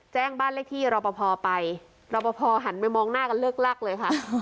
แจ้งบ้านเลขที่รอปภไปรอปภหันไปมองหน้ากันเลิกลักเลยค่ะ